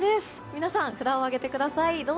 皆さん、札を上げてください。